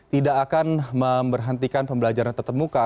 tidak akan memberhentikan pembelajaran tetap muka